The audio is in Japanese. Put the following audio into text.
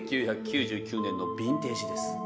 １９９９年のビンテージです。